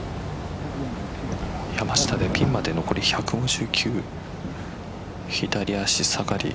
山下、ピンまで残り１５９左足下がり